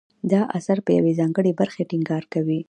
دا اثر په یوې ځانګړې برخې ټینګار کوي.